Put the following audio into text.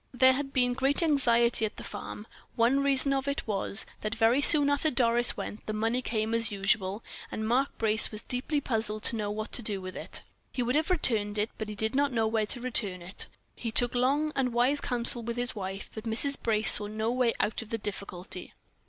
There had been great anxiety at the farm; one reason of it was, that very soon after Doris went, the money came as usual, and Mark Brace was deeply puzzled to know what to do with it. He would have returned it, but he did not know where to return it to. He took long and wise counsel with his wife, but Mrs. Brace saw no way out of the difficulty.